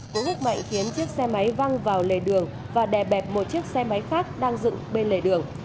cú ức mạnh khiến chiếc xe máy văng vào lề đường và đè bẹp một chiếc xe máy khác đang dựng bên lề đường